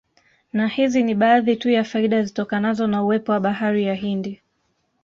Na hizi ni baadhi tu ya faida zitokanazo na uwepo wa bahari ya Hindi